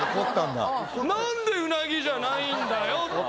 「なんでうなぎじゃないんだよ！」。